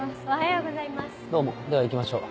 どうもでは行きましょう。